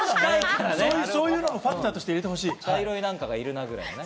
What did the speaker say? そういうファクターも入れてほしい。